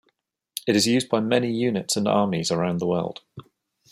It is used by many units and armies around the world.